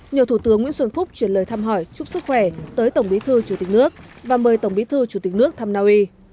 nhờ thủ tướng nguyễn xuân phúc chuyển lời thăm hỏi chúc sức khỏe tới tổng bí thư chủ tịch nước và mời tổng bí thư chủ tịch nước thăm naui